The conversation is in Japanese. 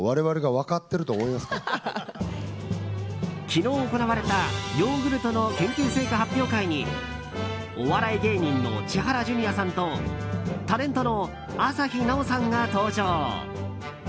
昨日、行われたヨーグルトの研究成果発表会にお笑い芸人の千原ジュニアさんとタレントの朝日奈央さんが登場。